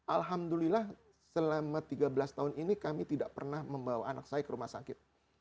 alhamdulillah selama tiga belas tahun ini kami tidak pernah membawa anak saya ke rumah sakit